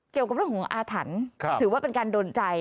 เกี่ยวกับเรื่องของอาถรรพ์ถือว่าเป็นการดนใจ